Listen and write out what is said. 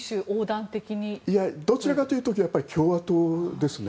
いや、どちらかというと共和党ですね。